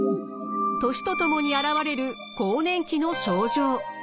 年とともに現れる更年期の症状。